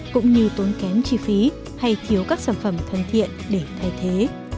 cũng như tốn kém chi phí hay thiếu các sản phẩm thân thiện để thay thế